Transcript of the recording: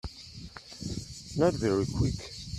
Not very Quick.